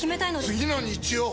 次の日曜！